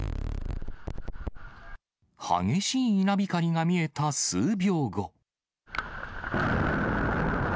激しい稲光が見えた数秒後。